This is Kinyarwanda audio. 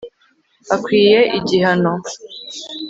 akwiye igihano